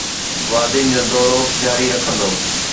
وادين جو دورو جاري رکندو